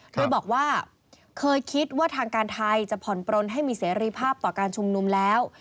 โดยบอกว่าเคยคิดว่าทางการไทยจะผ่อนปลนให้มีเสรีภาพต่อการชุมนุมแล้ว